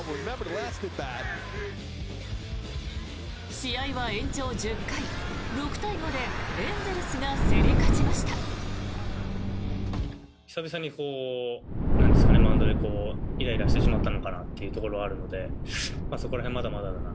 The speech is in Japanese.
試合は延長１０回６対５でエンゼルスが競り勝ちました。